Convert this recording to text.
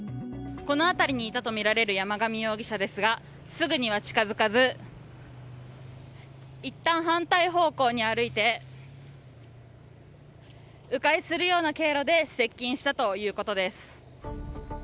この辺りにいたとみられる山上容疑者ですが、すぐには近づかず、いったん反対方向に歩いて、う回するような経路で接近したということです。